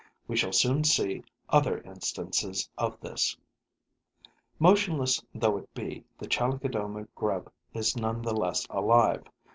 We shall soon see other instances of this. Motionless though it be, the Chalicodoma grub is none the less alive.